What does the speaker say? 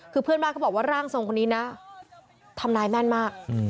คือเพื่อนบ้านเขาบอกว่าร่างทรงคนนี้นะทำนายแม่นมาก